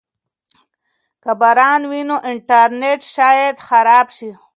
که باران وي نو انټرنیټ شاید خراب شي.